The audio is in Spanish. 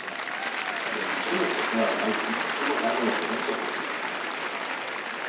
El diseño portada del álbum estuvo a cargo de Roberto Cuello.